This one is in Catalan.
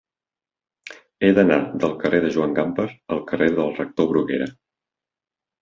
He d'anar del carrer de Joan Gamper la carrer del Rector Bruguera.